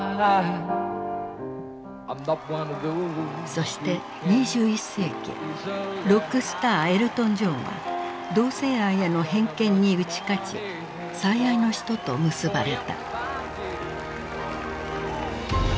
そして２１世紀ロックスターエルトン・ジョンは同性愛への偏見に打ち勝ち最愛の人と結ばれた。